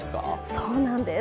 そうなんです。